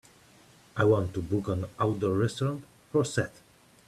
I want to book an outdoor restaurant for Sat.